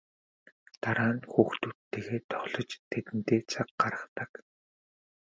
Дараа нь хүүхдүүдтэйгээ тоглож тэдэндээ цаг гаргадаг.